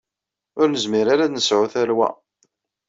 Ur nezmir ara ad nesɛu tarwa.